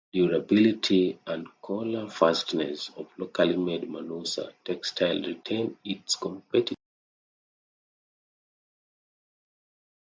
Durability and color fastness of locally made "manusa" textile also retained its competitive position.